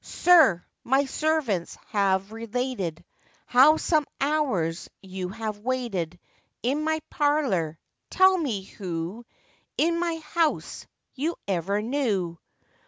'Sir! my servants have related, How some hours you have waited In my parlour,—tell me who In my house you ever knew?